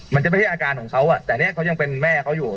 มันจะไม่ใช่อาการของเขาแต่เนี่ยเขายังเป็นแม่เขาอยู่